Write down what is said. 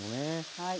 はい。